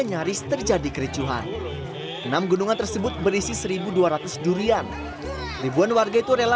nyaris terjadi kericuhan enam gunungan tersebut berisi seribu dua ratus durian ribuan warga itu rela